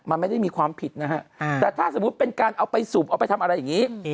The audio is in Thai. มันไม่ได้มีความผิดนะฮะแต่ถ้าสมมุติเป็นการเอาไปสูบเอาไปทำอะไรอย่างนี้